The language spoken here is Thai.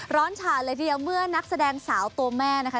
ฉาดเลยทีเดียวเมื่อนักแสดงสาวตัวแม่นะคะ